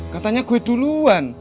katanya gue duluan